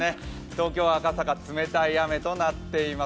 東京・赤坂、冷たい雨となっています。